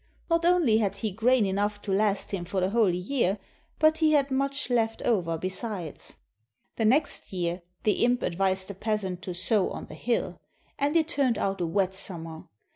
Not only had he grain enough to last him for the whole year, but he had much left over besides. The next year the imp advised the peasant to sow on the hill; and it turned out a wet simimer.